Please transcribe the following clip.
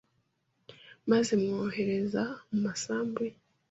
maze amwohereza mu masambu ye